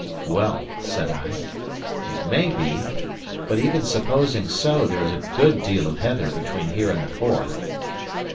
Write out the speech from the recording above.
"Well," said I, "it may be. But even supposing so, there is a good deal of heather between here and the Forth."